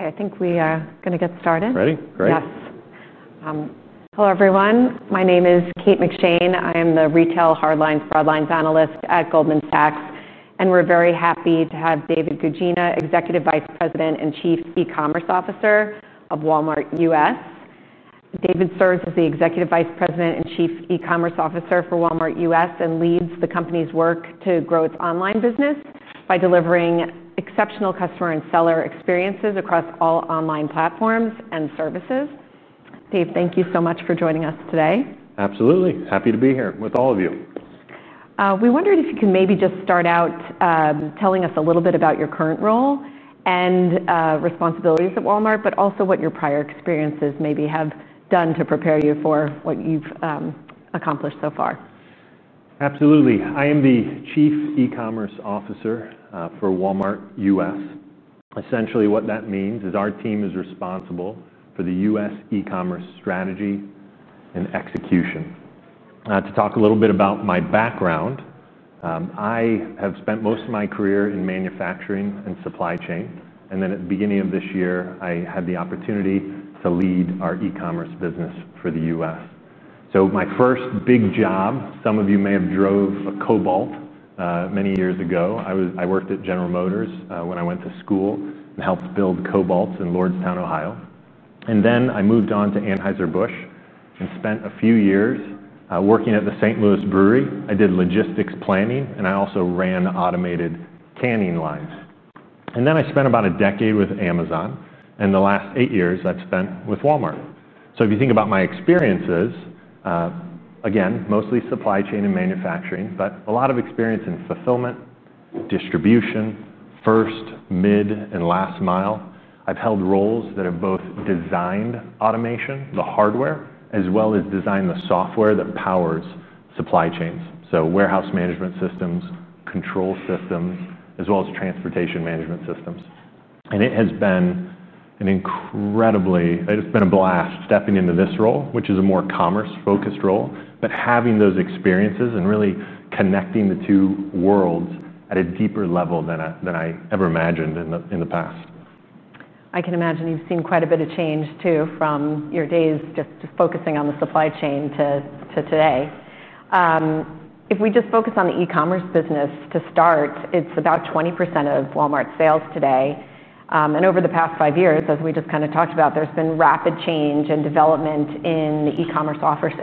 Okay, I think we are going to get started. Ready? Great. Yes. Hello, everyone. My name is Kate McShane. I am the Retail Hardlines Broadline Analyst at Goldman Sachs, and we're very happy to have David Guggina, Executive Vice President and Chief E-commerce Officer of Walmart U.S. David serves as the Executive Vice President and Chief E-commerce Officer for Walmart U.S. and leads the company's work to grow its online business by delivering exceptional customer and seller experiences across all online platforms and services. Dave, thank you so much for joining us today. Absolutely. Happy to be here with all of you. We wondered if you can maybe just start out telling us a little bit about your current role and responsibilities at Walmart, but also what your prior experiences maybe have done to prepare you for what you've accomplished so far. Absolutely. I am the Chief E-commerce Officer for Walmart U.S. Essentially, what that means is our team is responsible for the U.S. e-commerce strategy and execution. To talk a little bit about my background, I have spent most of my career in manufacturing and supply chain, and at the beginning of this year, I had the opportunity to lead our e-commerce business for the U.S. My first big job, some of you may have driven a Cobalt many years ago. I worked at General Motors when I went to school and helped build Cobalt in Lordstown, Ohio. I moved on to Anheuser-Busch and spent a few years working at the St. Louis Brewery. I did logistics planning, and I also ran automated canning lines. I spent about a decade with Amazon, and the last eight years I've spent with Walmart. If you think about my experiences, again, mostly supply chain and manufacturing, but a lot of experience in fulfillment, distribution, first, mid, and last mile. I've held roles that have both designed automation, the hardware, as well as designed the software that powers supply chains. Warehouse management systems, control systems, as well as transportation management systems. It has been an incredibly, it's been a blast stepping into this role, which is a more commerce-focused role, but having those experiences and really connecting the two worlds at a deeper level than I ever imagined in the past. I can imagine you've seen quite a bit of change too from your days just focusing on the supply chain to today. If we just focus on the e-commerce business to start, it's about 20% of Walmart's sales today. Over the past five years, as we just kind of talked about, there's been rapid change and development in the e-commerce offering.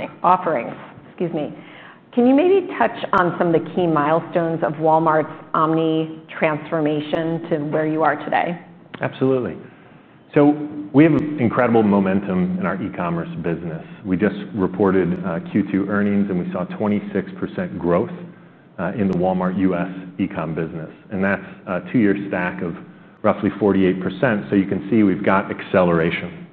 Can you maybe touch on some of the key milestones of Walmart's omni-transformation to where you are today? Absolutely. We have incredible momentum in our e-commerce business. We just reported Q2 earnings, and we saw 26% growth in the Walmart U.S. e-comm business. That's a two-year stack of roughly 48%. You can see we've got acceleration.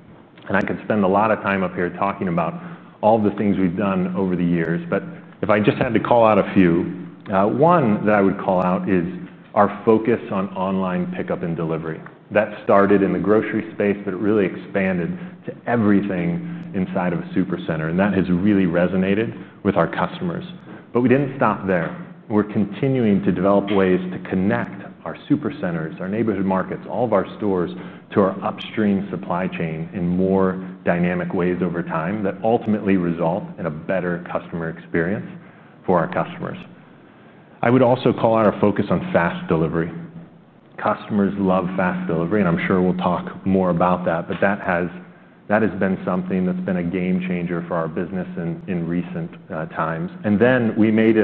I could spend a lot of time up here talking about all of the things we've done over the years, but if I just had to call out a few, one that I would call out is our focus on online pickup and delivery. That started in the grocery space, but it really expanded to everything inside of a supercenter, and that has really resonated with our customers. We didn't stop there. We're continuing to develop ways to connect our supercenters, our neighborhood markets, all of our stores to our upstream supply chain in more dynamic ways over time that ultimately result in a better customer experience for our customers. I would also call out our focus on fast delivery. Customers love fast delivery, and I'm sure we'll talk more about that, but that has been something that's been a game changer for our business in recent times. We made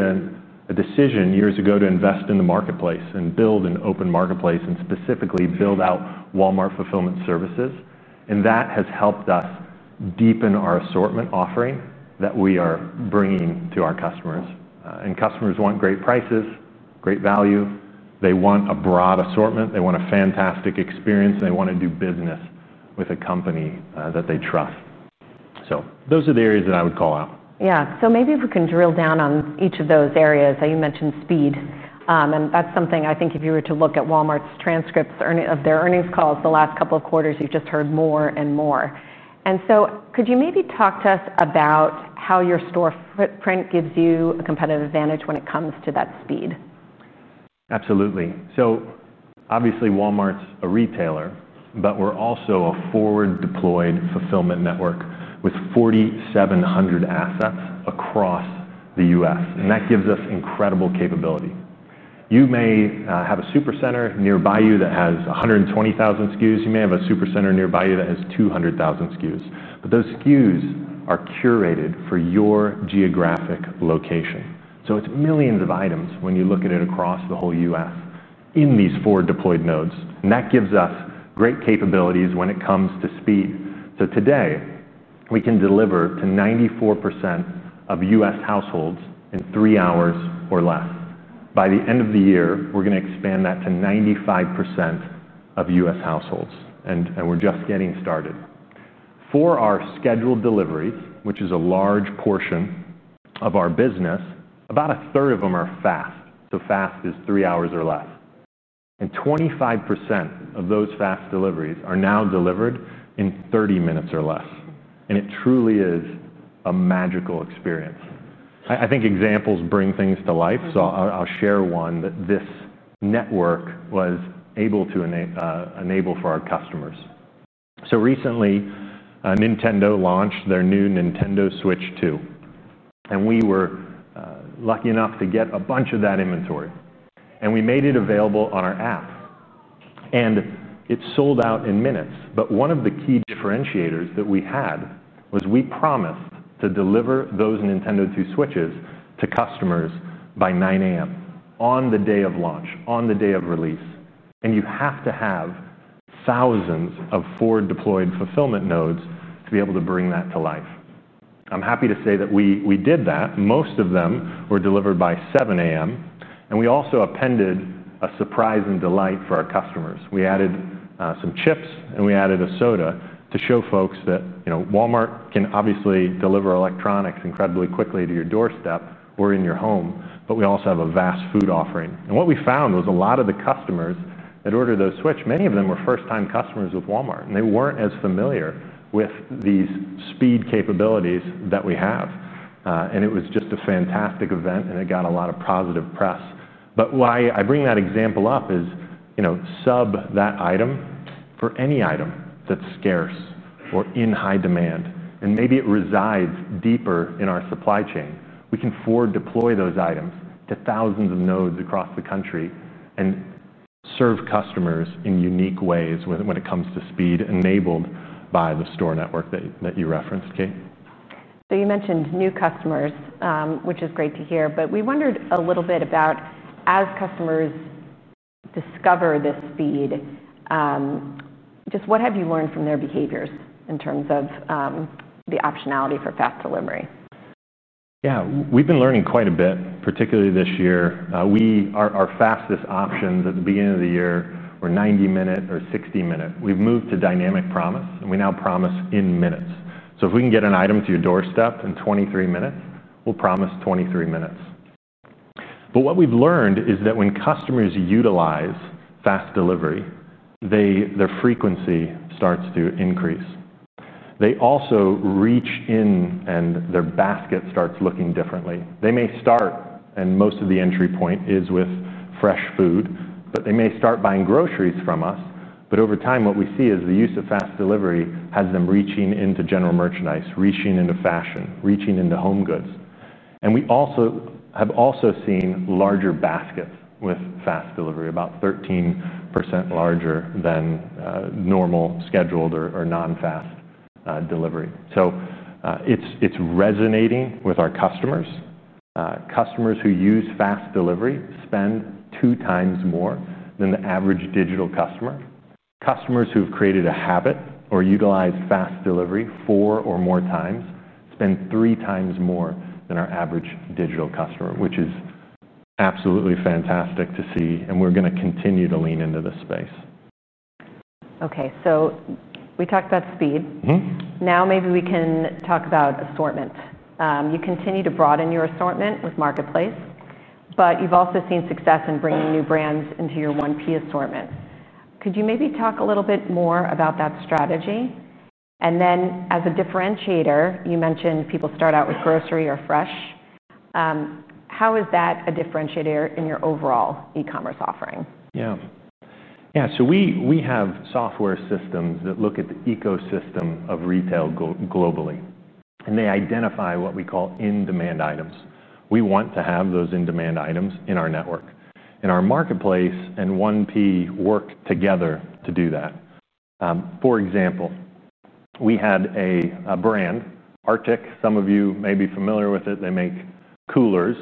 a decision years ago to invest in the marketplace and build an open marketplace and specifically build out Walmart fulfillment services. That has helped us deepen our assortment offering that we are bringing to our customers. Customers want great prices, great value. They want a broad assortment. They want a fantastic experience, and they want to do business with a company that they trust. Those are the areas that I would call out. Yeah. Maybe if we can drill down on each of those areas, you mentioned speed. That's something I think if you were to look at Walmart's transcripts of their earnings calls the last couple of quarters, you've just heard more and more. Could you maybe talk to us about how your store footprint gives you a competitive advantage when it comes to that speed? Absolutely. Obviously, Walmart's a retailer, but we're also a forward-deployed fulfillment network with 4,700 assets across the U.S. That gives us incredible capability. You may have a supercenter nearby you that has 120,000 SKUs. You may have a supercenter nearby you that has 200,000 SKUs. Those SKUs are curated for your geographic location. It's millions of items when you look at it across the whole U.S. in these forward-deployed nodes. That gives us great capabilities when it comes to speed. Today, we can deliver to 94% of U.S. households in three hours or less. By the end of the year, we're going to expand that to 95% of U.S. households. We're just getting started. For our scheduled deliveries, which is a large portion of our business, about a third of them are fast. Fast is three hours or less. 25% of those fast deliveries are now delivered in 30 minutes or less. It truly is a magical experience. I think examples bring things to life. I'll share one that this network was able to enable for our customers. Recently, Nintendo launched their new Nintendo Switch 2. We were lucky enough to get a bunch of that inventory. We made it available on our app, and it sold out in minutes. One of the key differentiators that we had was we promised to deliver those Nintendo 2 Switches to customers by 9:00 A.M. on the day of launch, on the day of release. You have to have thousands of forward-deployed fulfillment nodes to be able to bring that to life. I'm happy to say that we did that. Most of them were delivered by 7:00 A.M. We also appended a surprise and delight for our customers. We added some chips, and we added a soda to show folks that Walmart can obviously deliver electronics incredibly quickly to your doorstep or in your home, but we also have a vast food offering. What we found was a lot of the customers that ordered those Switch, many of them were first-time customers with Walmart. They weren't as familiar with these speed capabilities that we have. It was just a fantastic event, and it got a lot of positive press. Why I bring that example up is substitute that item for any item that's scarce or in high demand. Maybe it resides deeper in our supply chain. We can forward-deploy those items to thousands of nodes across the country and serve customers in unique ways when it comes to speed enabled by the store network that you referenced, Kate. You mentioned new customers, which is great to hear. We wondered a little bit about as customers discover this speed, just what have you learned from their behaviors in terms of the optionality for fast delivery? Yeah, we've been learning quite a bit, particularly this year. Our fastest options at the beginning of the year were 90-minute or 60-minute. We've moved to dynamic promise, and we now promise in minutes. If we can get an item to your doorstep in 23 minutes, we'll promise 23 minutes. What we've learned is that when customers utilize fast delivery, their frequency starts to increase. They also reach in, and their basket starts looking differently. They may start, and most of the entry point is with fresh food, but they may start buying groceries from us. Over time, what we see is the use of fast delivery has them reaching into general merchandise, reaching into fashion, reaching into home goods. We have also seen larger baskets with fast delivery, about 13% larger than normal scheduled or non-fast delivery. It's resonating with our customers. Customers who use fast delivery spend two times more than the average digital customer. Customers who have created a habit or utilized fast delivery four or more times spend three times more than our average digital customer, which is absolutely fantastic to see, and we're going to continue to lean into this space. Okay, so we talked about speed. Now maybe we can talk about assortment. You continue to broaden your assortment with Marketplace, but you've also seen success in bringing new brands into your 1P assortment. Could you maybe talk a little bit more about that strategy? As a differentiator, you mentioned people start out with grocery or fresh. How is that a differentiator in your overall e-commerce offering? Yeah. Yeah, we have software systems that look at the ecosystem of retail globally, and they identify what we call in-demand items. We want to have those in-demand items in our network, and our Marketplace and 1P work together to do that. For example, we had a brand, Arctic. Some of you may be familiar with it. They make coolers.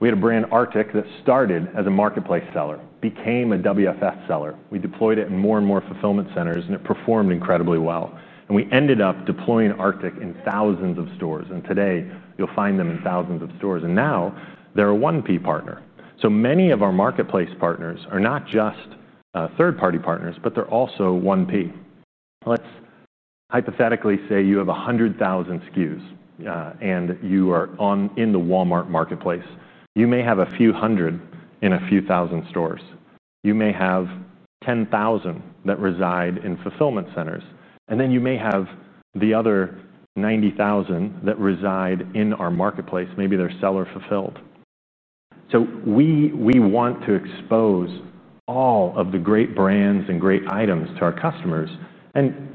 We had a brand, Arctic, that started as a Marketplace seller, became a WFS seller. We deployed it in more and more fulfillment centers, and it performed incredibly well. We ended up deploying Arctic in thousands of stores, and today you'll find them in thousands of stores. Now they're a 1P partner. Many of our Marketplace partners are not just third-party partners, but they're also 1P. Let's hypothetically say you have 100,000 SKUs and you are in the Walmart Marketplace. You may have a few hundred in a few thousand stores. You may have 10,000 that reside in fulfillment centers, and then you may have the other 90,000 that reside in our Marketplace. Maybe they're seller-fulfilled. We want to expose all of the great brands and great items to our customers.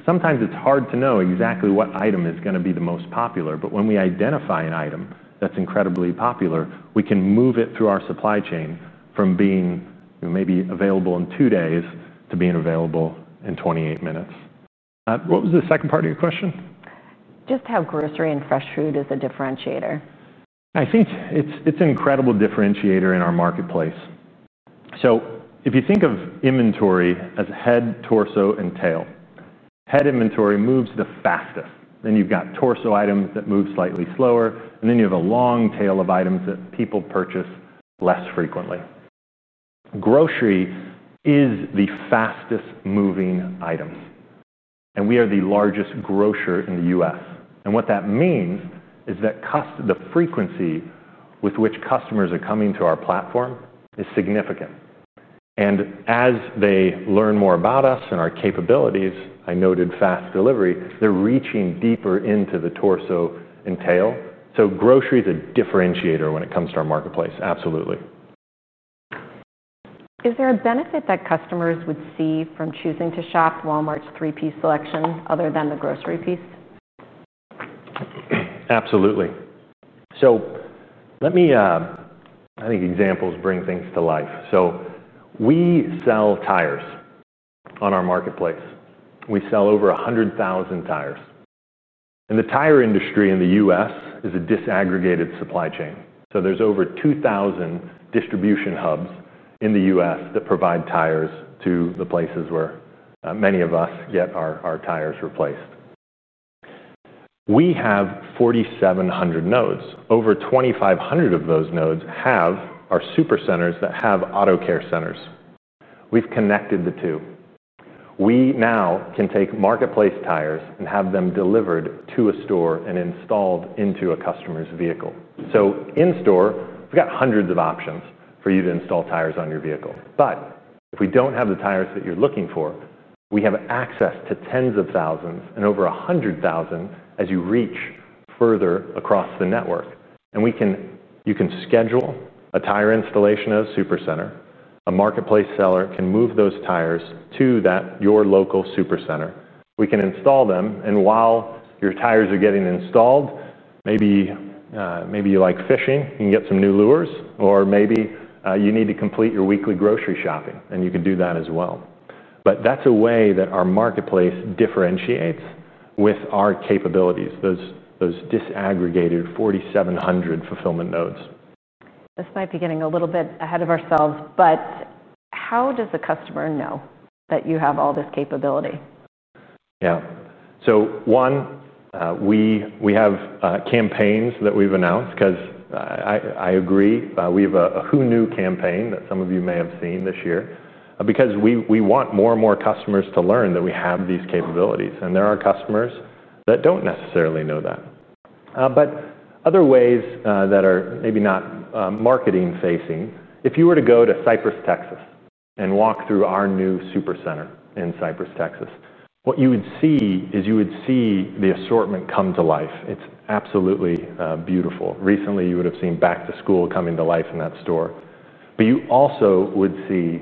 Sometimes it's hard to know exactly what item is going to be the most popular. When we identify an item that's incredibly popular, we can move it through our supply chain from being maybe available in two days to being available in 28 minutes. What was the second part of your question? Just how grocery and fresh food is a differentiator. I think it's an incredible differentiator in our Marketplace. If you think of inventory as head, torso, and tail, head inventory moves the fastest. You've got torso items that move slightly slower, and you have a long tail of items that people purchase less frequently. Grocery is the fastest moving item. We are the largest grocer in the U.S., which means that the frequency with which customers are coming to our platform is significant. As they learn more about us and our capabilities, I noted fast delivery, they're reaching deeper into the torso and tail. Grocery is a differentiator when it comes to our Marketplace, absolutely. Is there a benefit that customers would see from choosing to shop Walmart's third-party selection other than the grocery piece? Absolutely. I think examples bring things to life. We sell tires on our Marketplace. We sell over 100,000 tires. The tire industry in the U.S. is a disaggregated supply chain. There are over 2,000 distribution hubs in the U.S. that provide tires to the places where many of us get our tires replaced. We have 4,700 nodes. Over 2,500 of those nodes are supercenters that have autocare centers. We've connected the two. We now can take Marketplace tires and have them delivered to a store and installed into a customer's vehicle. In-store, we've got hundreds of options for you to install tires on your vehicle. If we don't have the tires that you're looking for, we have access to tens of thousands and over 100,000 as you reach further across the network. You can schedule a tire installation at a supercenter. A Marketplace seller can move those tires to your local supercenter. We can install them. While your tires are getting installed, maybe you like fishing, you can get some new lures, or maybe you need to complete your weekly grocery shopping, and you can do that as well. That's a way that our Marketplace differentiates with our capabilities, those disaggregated 4,700 fulfillment nodes. This might be getting a little bit ahead of ourselves, but how does the customer know that you have all this capability? Yeah. One, we have campaigns that we've announced because I agree. We have a Who Knew campaign that some of you may have seen this year because we want more and more customers to learn that we have these capabilities. There are customers that don't necessarily know that. Other ways that are maybe not marketing-facing, if you were to go to Cypress, Texas, and walk through our new supercenter in Cypress, Texas, what you would see is you would see the assortment come to life. It's absolutely beautiful. Recently, you would have seen back to school coming to life in that store. You also would see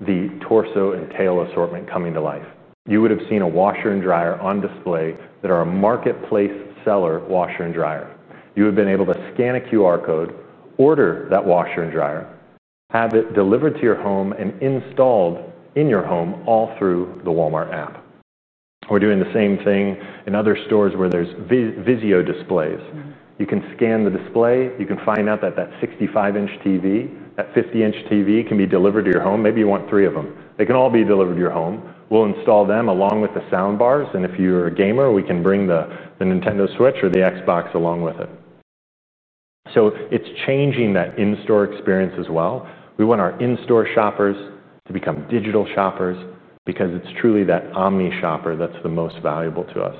the torso and tail assortment coming to life. You would have seen a washer and dryer on display that are a Marketplace seller washer and dryer. You would have been able to scan a QR code, order that washer and dryer, have it delivered to your home and installed in your home all through the Walmart app. We're doing the same thing in other stores where there's VIZIO displays. You can scan the display. You can find out that that 65-in TV, that 50-in TV can be delivered to your home. Maybe you want three of them. They can all be delivered to your home. We'll install them along with the soundbars. If you're a gamer, we can bring the Nintendo Switch or the Xbox along with it. It's changing that in-store experience as well. We want our in-store shoppers to become digital shoppers because it's truly that omni-shopper that's the most valuable to us.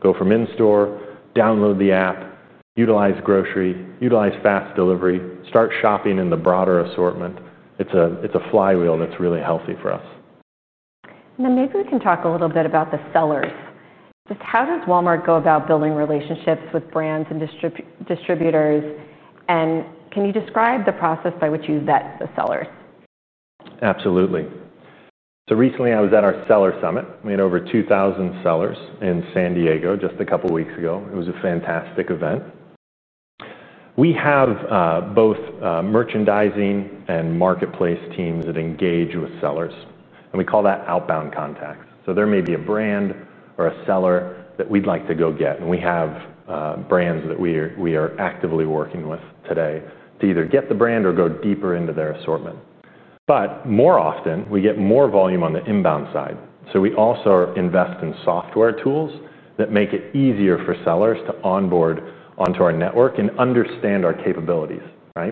Go from in-store, download the app, utilize grocery, utilize fast delivery, start shopping in the broader assortment. It's a flywheel that's really healthy for us. Now, maybe we can talk a little bit about the sellers. How does Walmart go about building relationships with brands and distributors? Can you describe the process by which you vet the sellers? Absolutely. Recently, I was at our seller summit. We had over 2,000 sellers in San Diego just a couple of weeks ago. It was a fantastic event. We have both merchandising and Marketplace teams that engage with sellers, and we call that outbound contacts. There may be a brand or a seller that we'd like to go get, and we have brands that we are actively working with today to either get the brand or go deeper into their assortment. More often, we get more volume on the inbound side. We also invest in software tools that make it easier for sellers to onboard onto our network and understand our capabilities.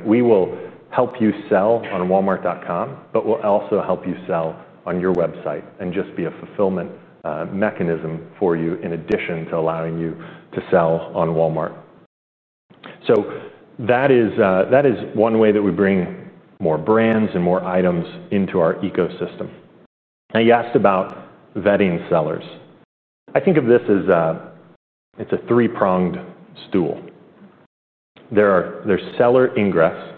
We will help you sell on walmart.com, but we'll also help you sell on your website and just be a fulfillment mechanism for you in addition to allowing you to sell on Walmart. That is one way that we bring more brands and more items into our ecosystem. You asked about vetting sellers. I think of this as a three-pronged stool. There's seller ingress,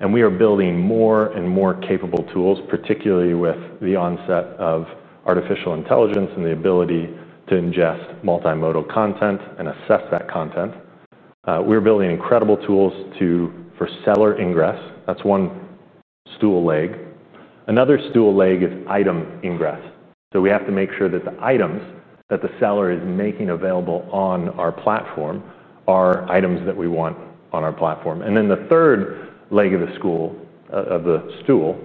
and we are building more and more capable tools, particularly with the onset of artificial intelligence and the ability to ingest multimodal content and assess that content. We're building incredible tools for seller ingress. That's one stool leg. Another stool leg is item ingress. We have to make sure that the items that the seller is making available on our platform are items that we want on our platform. The third leg of the stool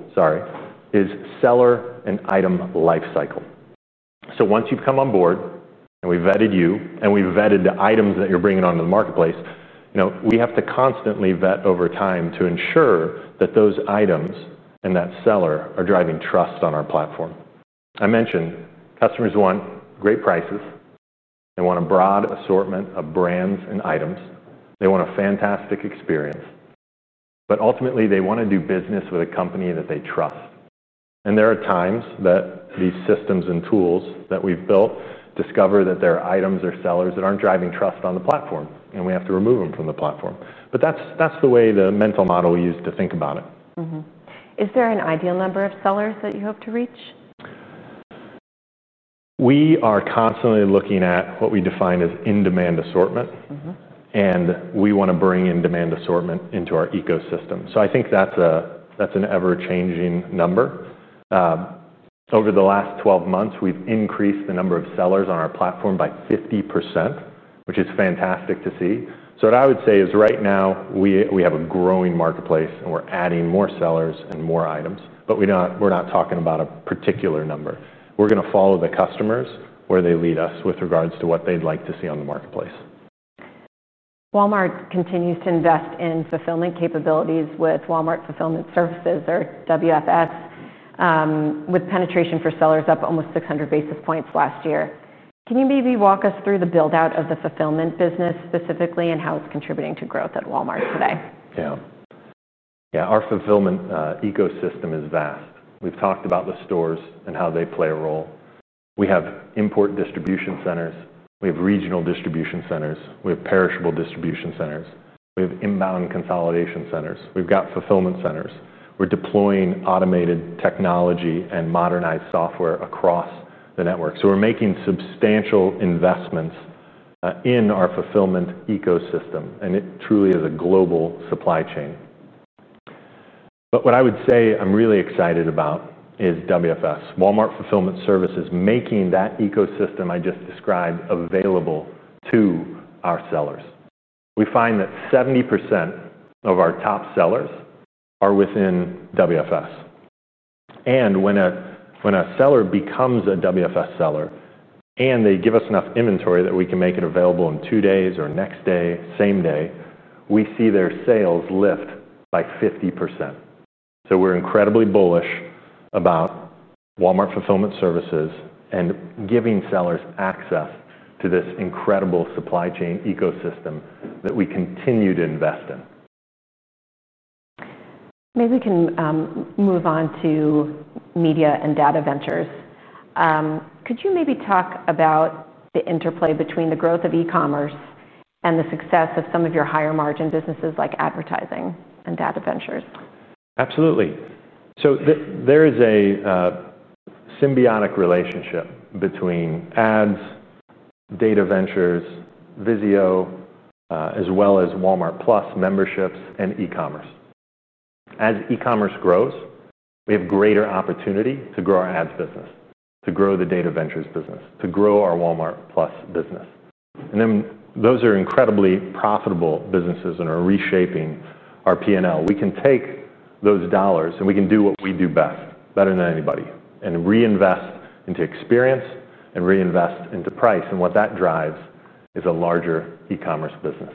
is seller and item lifecycle. Once you've come on board and we've vetted you and we've vetted the items that you're bringing onto the Marketplace, we have to constantly vet over time to ensure that those items and that seller are driving trust on our platform. I mentioned customers want great prices. They want a broad assortment of brands and items. They want a fantastic experience. Ultimately, they want to do business with a company that they trust. There are times that these systems and tools that we've built discover that there are items or sellers that aren't driving trust on the platform, and we have to remove them from the platform. That's the way the mental model we use to think about it. Is there an ideal number of sellers that you hope to reach? We are constantly looking at what we define as in-demand assortment. We want to bring in-demand assortment into our ecosystem. I think that's an ever-changing number. Over the last 12 months, we've increased the number of sellers on our platform by 50%, which is fantastic to see. What I would say is right now we have a growing marketplace, and we're adding more sellers and more items, but we're not talking about a particular number. We're going to follow the customers where they lead us with regards to what they'd like to see on the marketplace. Walmart continues to invest in fulfillment capabilities with Walmart Fulfillment Services, or WFS, with penetration for sellers up almost 600 basis points last year. Can you maybe walk us through the build-out of the fulfillment business specifically and how it's contributing to growth at Walmart today? Yeah, our fulfillment ecosystem is vast. We've talked about the stores and how they play a role. We have import distribution centers. We have regional distribution centers. We have perishable distribution centers. We have inbound consolidation centers. We've got fulfillment centers. We're deploying automated technology and modernized software across the network. We're making substantial investments in our fulfillment ecosystem, and it truly is a global supply chain. What I would say I'm really excited about is WFS, Walmart Fulfillment Services, making that ecosystem I just described available to our sellers. We find that 70% of our top sellers are within WFS. When a seller becomes a WFS seller and they give us enough inventory that we can make it available in two days or next day, same day, we see their sales lift by 50%. We're incredibly bullish about Walmart Fulfillment Services and giving sellers access to this incredible supply chain ecosystem that we continue to invest in. Maybe we can move on to media and data ventures. Could you maybe talk about the interplay between the growth of e-commerce and the success of some of your higher margin businesses like advertising and data ventures? Absolutely. There is a symbiotic relationship between ads, Data Ventures, VIZIO, as well as Walmart+ memberships and e-commerce. As e-commerce grows, we have greater opportunity to grow our ads business, to grow the Data Ventures business, to grow our Walmart+ business. Those are incredibly profitable businesses and are reshaping our P&L. We can take those dollars and do what we do best, better than anybody, and reinvest into experience and reinvest into price. That drives a larger e-commerce business.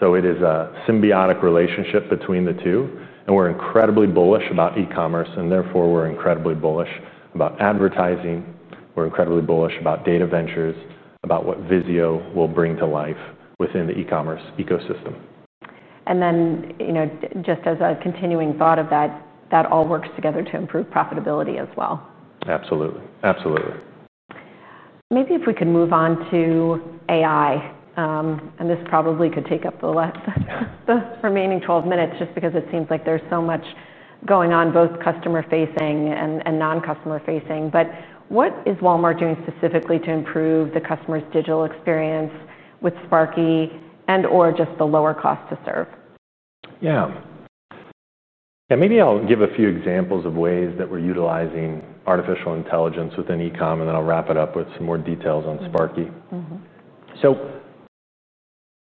It is a symbiotic relationship between the two. We're incredibly bullish about e-commerce, and therefore we're incredibly bullish about advertising. We're incredibly bullish about Data Ventures, about what VIZIO will bring to life within the e-commerce ecosystem. You know, just as a continuing thought of that, that all works together to improve profitability as well. Absolutely. Absolutely. Maybe if we could move on to AI, and this probably could take up the remaining 12 minutes just because it seems like there's so much going on both customer-facing and non-customer-facing. What is Walmart doing specifically to improve the customer's digital experience with Sparky and/or just the lower cost to serve? Yeah. Maybe I'll give a few examples of ways that we're utilizing artificial intelligence within e-comm, and then I'll wrap it up with some more details on Sparky.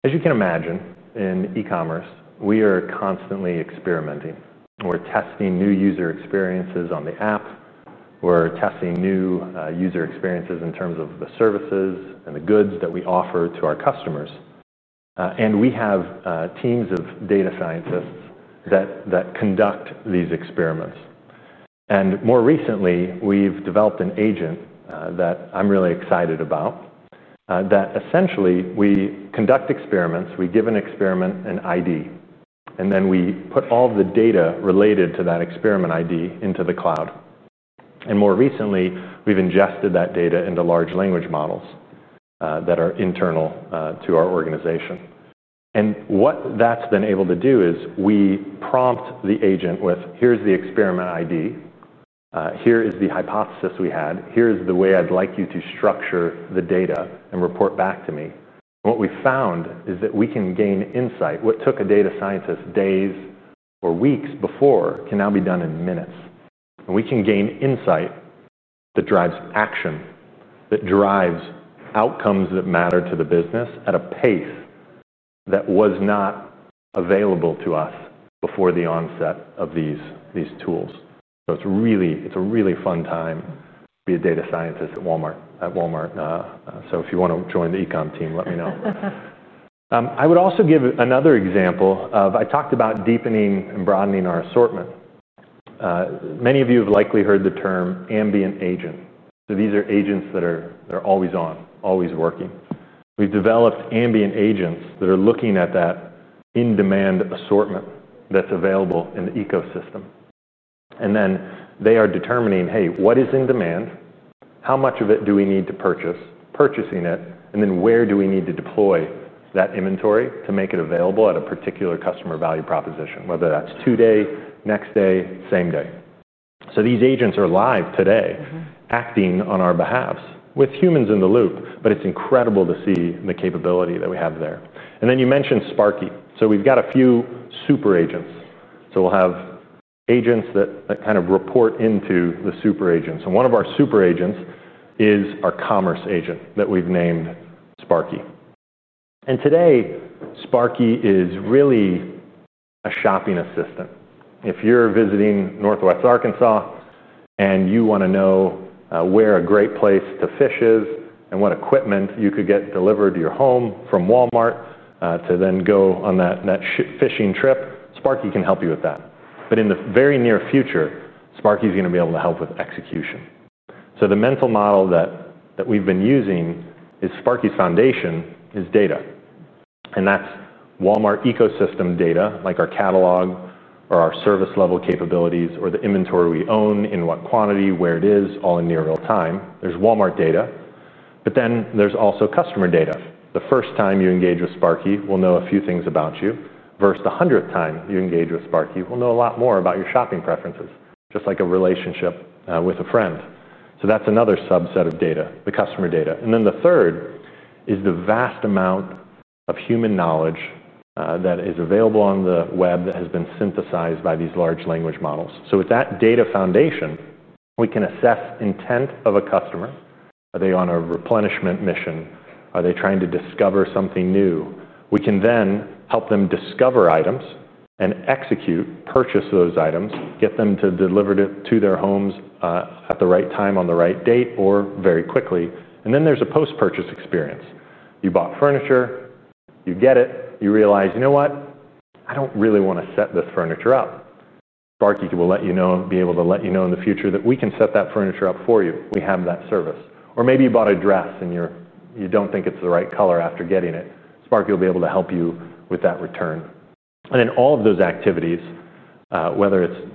As you can imagine, in e-commerce, we are constantly experimenting. We're testing new user experiences on the app. We're testing new user experiences in terms of the services and the goods that we offer to our customers. We have teams of data scientists that conduct these experiments. More recently, we've developed an agent that I'm really excited about, that essentially we conduct experiments, we give an experiment an ID, and then we put all of the data related to that experiment ID into the cloud. More recently, we've ingested that data into large language models that are internal to our organization. What that's been able to do is we prompt the agent with, "Here's the experiment ID. Here is the hypothesis we had. Here is the way I'd like you to structure the data and report back to me." We found that we can gain insight. What took a data scientist days or weeks before can now be done in minutes. We can gain insight that drives action, that drives outcomes that matter to the business at a pace that was not available to us before the onset of these tools. It's a really fun time to be a data scientist at Walmart. If you want to join the e-comm team, let me know. I would also give another example of I talked about deepening and broadening our assortment. Many of you have likely heard the term ambient agent. These are agents that are always on, always working. We've developed ambient agents that are looking at that in-demand assortment that's available in the ecosystem. They are determining, "Hey, what is in demand? How much of it do we need to purchase? Purchasing it. Where do we need to deploy that inventory to make it available at a particular customer value proposition, whether that's two-day, next day, same day?" These agents are live today, acting on our behalf, with humans in the loop. It's incredible to see the capability that we have there. You mentioned Sparky. We've got a few super agents. We'll have agents that kind of report into the super agents. One of our super agents is our commerce agent that we've named Sparky. Today, Sparky is really a shopping assistant. If you're visiting Northwest Arkansas and you want to know where a great place to fish is and what equipment you could get delivered to your home from Walmart to then go on that fishing trip, Sparky can help you with that. In the very near future, Sparky is going to be able to help with execution. The mental model that we've been using is Sparky foundation is data. That's Walmart ecosystem data, like our catalog or our service level capabilities or the inventory we own in what quantity, where it is, all in near real time. There's Walmart data, but then there's also customer data. The first time you engage with Sparky, we'll know a few things about you versus the hundredth time you engage with Sparky, we'll know a lot more about your shopping preferences, just like a relationship with a friend. That's another subset of data, the customer data. The third is the vast amount of human knowledge that is available on the web that has been synthesized by these large language models. With that data foundation, we can assess the intent of a customer. Are they on a replenishment mission? Are they trying to discover something new? We can then help them discover items and execute, purchase those items, get them delivered to their homes at the right time on the right date or very quickly. There's a post-purchase experience. You bought furniture, you get it, you realize, you know what? I don't really want to set this furniture up. Sparky will let you know, be able to let you know in the future that we can set that furniture up for you. We have that service. Maybe you bought a dress and you don't think it's the right color after getting it. Sparky will be able to help you with that return. In all of those activities, whether it's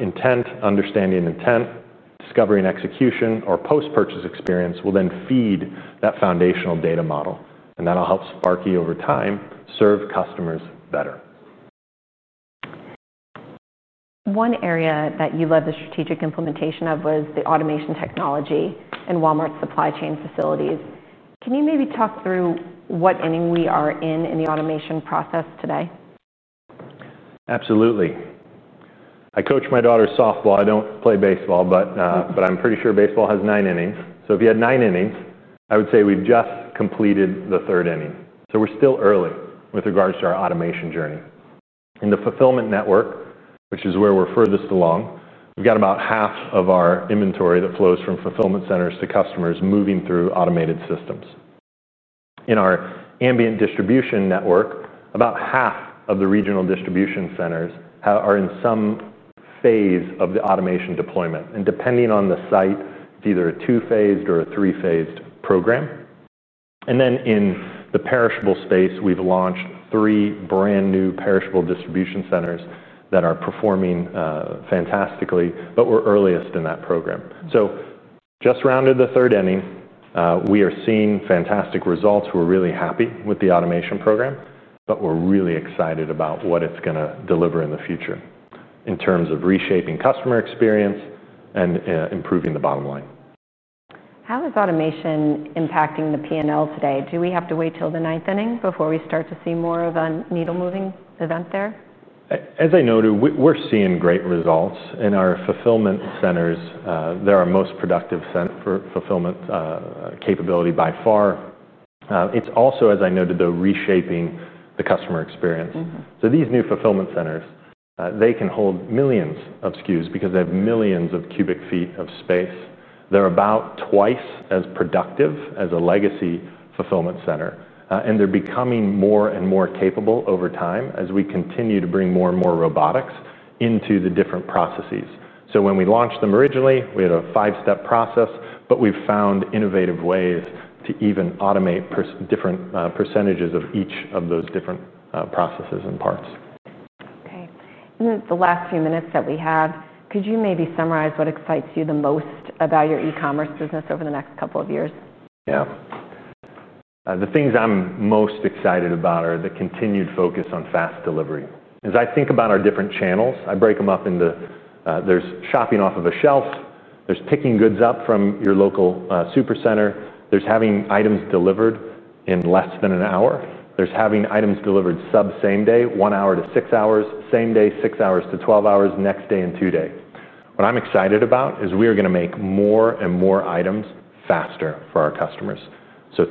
intent, understanding intent, discovery and execution, or post-purchase experience, we'll then feed that foundational data model. That'll help Sparky over time serve customers better. One area that you led the strategic implementation of was the automation technology in Walmart's supply chain facilities. Can you maybe talk through what inning we are in in the automation process today? Absolutely. I coach my daughter's softball. I don't play baseball, but I'm pretty sure baseball has nine innings. If you had nine innings, I would say we've just completed the third inning. We're still early with regards to our automation journey. In the fulfillment network, which is where we're furthest along, we've got about half of our inventory that flows from fulfillment centers to customers moving through automated systems. In our ambient distribution network, about half of the regional distribution centers are in some phase of the automation deployment. Depending on the site, it's either a two-phased or a three-phased program. In the perishable space, we've launched three brand new perishable distribution centers that are performing fantastically, but we're earliest in that program. We've just rounded the third inning. We are seeing fantastic results. We're really happy with the automation program, and we're really excited about what it's going to deliver in the future in terms of reshaping customer experience and improving the bottom line. How is automation impacting the P&L today? Do we have to wait till the ninth inning before we start to see more of a needle-moving event there? As I noted, we're seeing great results in our fulfillment centers. They're our most productive fulfillment capability by far. It's also, as I noted, reshaping the customer experience. These new fulfillment centers can hold millions of SKUs because they have millions of cubic feet of space. They're about twice as productive as a legacy fulfillment center. They're becoming more and more capable over time as we continue to bring more and more robotics into the different processes. When we launched them originally, we had a five-step process, but we've found innovative ways to even automate different per of each of those different processes and parts. Okay. In the last few minutes that we have, could you maybe summarize what excites you the most about your e-commerce business over the next couple of years? The things I'm most excited about are the continued focus on fast delivery. As I think about our different channels, I break them up into there's shopping off of a shelf, there's picking goods up from your local supercenter, there's having items delivered in less than an hour, there's having items delivered sub-same day, one hour to six hours, same day, six hours to 12 hours, next day and two-day. What I'm excited about is we are going to make more and more items faster for our customers.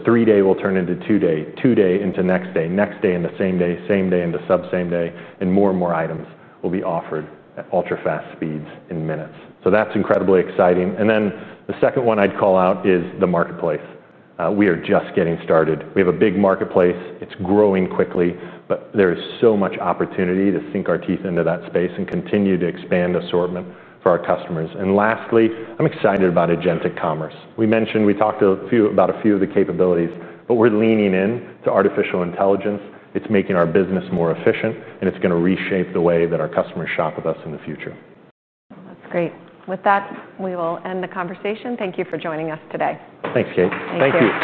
Three-day will turn into two-day, two-day into next day, next day into same day, same day into sub-same day, and more and more items will be offered at ultra-fast speeds in minutes. That's incredibly exciting. The second one I'd call out is the marketplace. We are just getting started. We have a big marketplace. It's growing quickly, but there is so much opportunity to sink our teeth into that space and continue to expand assortment for our customers. Lastly, I'm excited about agentic commerce. We mentioned we talked about a few of the capabilities, but we're leaning into artificial intelligence. It's making our business more efficient, and it's going to reshape the way that our customers shop with us in the future. That's great. With that, we will end the conversation. Thank you for joining us today. Thanks, Kate. Thank you.